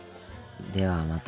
ではまた。